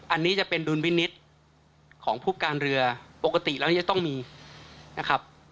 อันนี้จะเป็นดุลพินิษฐ์ของผู้การเรือปกติแล้วจะต้องมีนะครับ